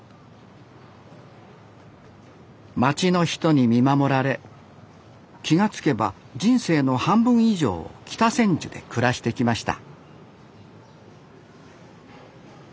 街の人に見守られ気が付けば人生の半分以上を北千住で暮らしてきました